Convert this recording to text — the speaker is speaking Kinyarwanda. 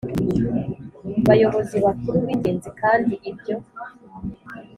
Bayobozi bakuru b ingenzi kandi ibyo